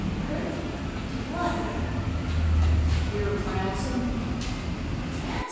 "Hurt? Did what hurt?" "Yer trouncin'." "Trouncin'!"